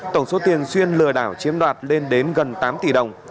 tổng số tiền xuyên lừa đảo chiếm đoạt lên đến gần tám tỷ đồng